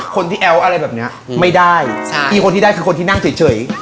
คนที่แอ้วอะไรแบบเนี้ยไม่ได้ใช่พี่คนที่ได้คือคนที่นั่งเฉย